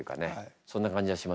そんな感じがしますよね